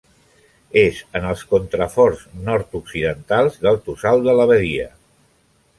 És en els contraforts nord-occidentals del Tossal de l'Abadia.